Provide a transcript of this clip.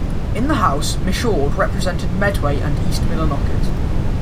In the House, Michaud represented Medway and East Millinocket.